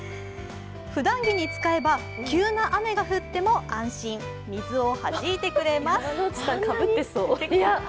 ふだん着に使えば急な雨が降っても安心、水をはじいてくれます。